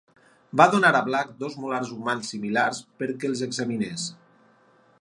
Va donar a Black dos molars humans similars perquè els examinés.